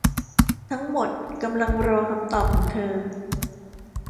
ทั้งหมดกำลังรอคำตอบของเธอ